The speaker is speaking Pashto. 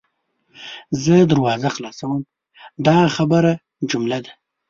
زه دروازه خلاصوم – دا خبریه جمله ده.